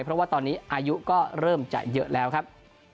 เพราะว่าตอนนี้อายุก็เริ่มจะเยอะแล้วครับ